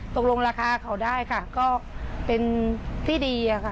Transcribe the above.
ตกลงราคาด้างเขาก็เป็นที่ดี